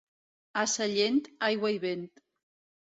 A Sallent, aigua i vent.